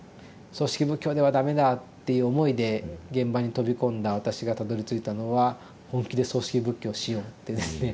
「葬式仏教では駄目だ」っていう思いで現場に飛び込んだ私がたどりついたのは「本気で葬式仏教しよう」っていうですね